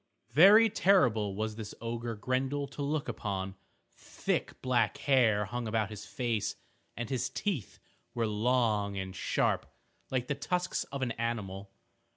Very terrible was this ogre Grendel to look upon. Thick black hair hung about his face, and his teeth were long and sharp, like the tusks of an animal.